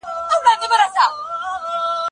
د رسولانو او مؤمنانو تر منځ واقعات پکښي ذکر دي.